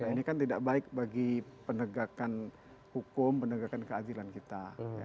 ini kan tidak baik bagi penegakan hukum penegakan keadilan kita